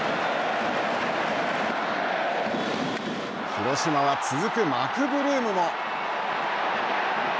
広島は、続くマクブルームも。